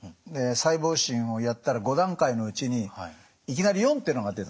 細胞診をやったら５段階のうちにいきなり４ってのが出たんですね。